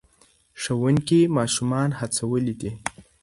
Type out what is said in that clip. ښوونکي ماشومان هڅولي دي.